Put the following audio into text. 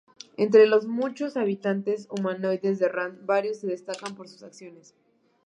Entre los muchos habitantes humanoides de Rann, varios se destacan por sus acciones.